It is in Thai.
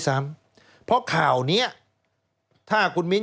สวัสดีค่ะต้อนรับคุณบุษฎี